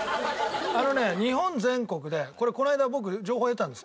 あのね日本全国でこれこの間僕情報を得たんです。